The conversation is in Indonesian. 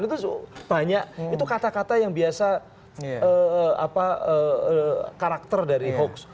itu banyak itu kata kata yang biasa karakter dari hoax